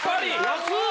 安っ！